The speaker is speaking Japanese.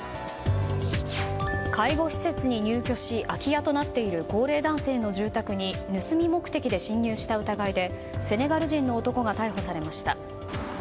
介護施設に入居し空き家となっている高齢男性の住宅に盗み目的で侵入した疑いでセネガル人の男が逮捕されました。